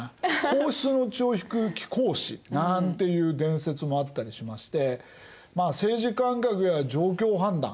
皇室の血を引く貴公子なんていう伝説もあったりしまして政治感覚や状況判断